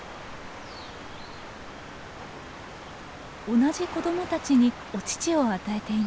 同じ子どもたちにお乳を与えています。